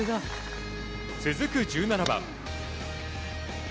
続く１７番。